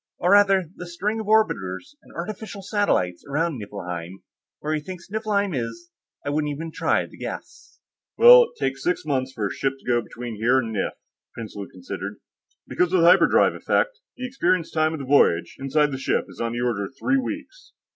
"Or, rather, the string of orbiters and artificial satellites around Niflheim. Where he thinks Niflheim is, I wouldn't even try to guess." "Well, it takes six months for a ship to go between here and Nif," Prinsloo considered. "Because of the hyperdrive effects, the experienced time of the voyage, inside the ship, is of the order of three weeks.